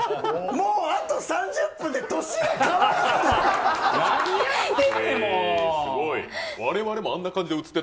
もうあと３０分で年が変わる！